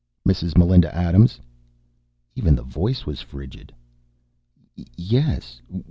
"Mrs. Melinda Adams?" Even the voice was frigid. "Y Yes.